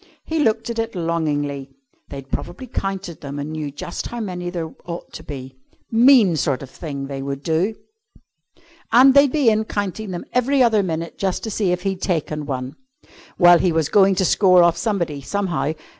He looked at it longingly. They'd probably counted them and knew just how many there ought to be. Mean sort of thing they would do. And they'd be in counting them every other minute just to see if he'd taken one. Well, he was going to score off somebody, somehow.